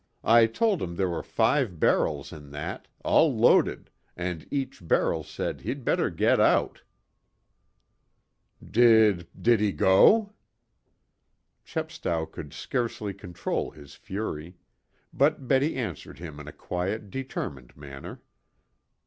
I told him there were five barrels in that, all loaded, and each barrel said he'd better get out." "Did did he go?" Chepstow could scarcely control his fury. But Betty answered him in a quiet determined manner.